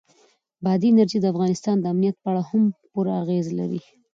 بادي انرژي د افغانستان د امنیت په اړه هم پوره اغېز لري.